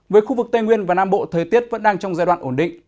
với khu vực tây nguyên và nam bộ thời tiết vẫn đang trong giai đoạn ổn định